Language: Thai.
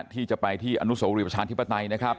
ที่จะไปที่อนุโสรีประชาธิปไตยนะครับ